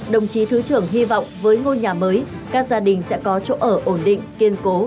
đồng chí thứ trưởng hy vọng với ngôi nhà mới các gia đình sẽ có chỗ ở ổn định kiên cố